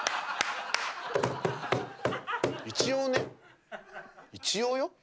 一応ね、一応よ。